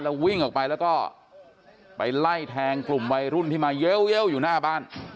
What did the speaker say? แล้ววิ่งออกไปแล้วก็ไปไล่แทงกลุ่มวัยรุ่นที่มาเย้วอยู่หน้าบ้าน